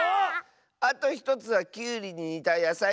あと１つはきゅうりににたやさいだね。